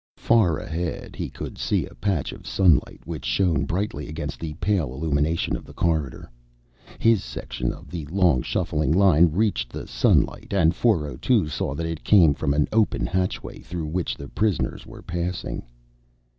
Far ahead, he could see a patch of sunlight which shone brightly against the pale illumination of the corridor. His section of the long shuffling line reached the sunlight, and 402 saw that it came from an open hatchway through which the prisoners were passing.